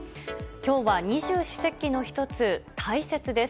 きょうは二十四節気の一つ、大雪です。